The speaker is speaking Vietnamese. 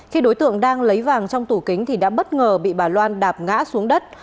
khi đối tượng đang lấy vàng trong tủ kính thì đã bất ngờ bị bà loan đạp ngã xuống đất